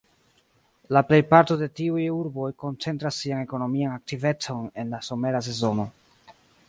La plej parto de tiuj urboj koncentras sian ekonomian aktivecon en la somera sezono.